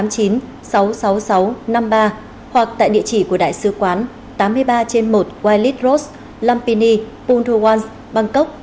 cộng sáu mươi sáu tám nghìn chín trăm tám mươi chín sáu trăm sáu mươi sáu năm mươi ba hoặc tại địa chỉ của đại sứ quán tám mươi ba trên một wailidros lampini puntuwan bangkok một mươi nghìn ba trăm ba mươi